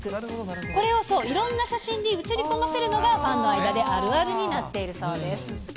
これをそう、いろんな写真に写り込ませるのがファンの間であるあるになっているそうです。